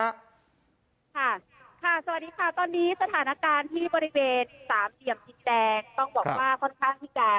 ค่ะสวัสดีค่ะตอนนี้สถานการณ์ที่บริเวณ๓เดียมจินแดง